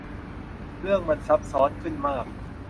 เรื่องมันซับซ้อนขึ้นมาก